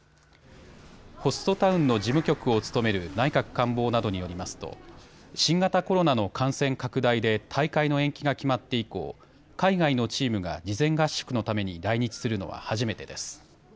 ホストタウンの事務局を務める内閣官房などによりますと新型コロナの感染拡大で大会の延期が決まって以降、海外のチームが事前合宿のために来日するのは初めてです。